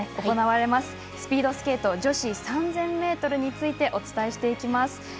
行われますスピードスケート女子３０００ｍについてお伝えしていきます。